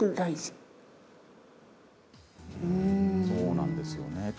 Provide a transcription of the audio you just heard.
そうなんですよね。